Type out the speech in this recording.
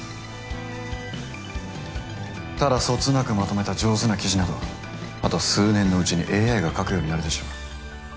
ただそつなくまとめた上手な記事などあと数年のうちにＡＩが書くようになるでしょう。